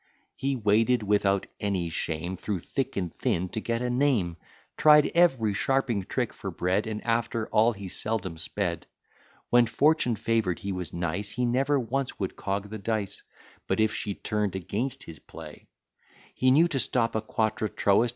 He waded, without any shame, Through thick and thin to get a name, Tried every sharping trick for bread, And after all he seldom sped. When Fortune favour'd, he was nice; He never once would cog the dice; But, if she turn'd against his play, He knew to stop à quatre trois.